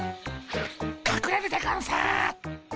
かくれるでゴンス。